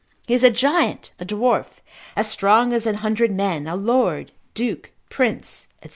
He is a giant, a dwarf, as strong as an hundred men, a lord, duke, prince, &c.